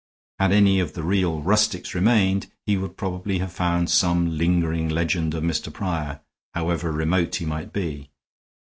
Had any of the real rustics remained, he would probably have found some lingering legend of Mr. Prior, however remote he might be.